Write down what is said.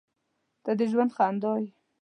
• ته د ژوند خندا یې.